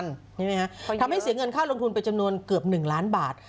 ใช่ไหมฮะทำให้เสียเงินค่าลงทุนไปจำนวนเกือบ๑ล้านบาท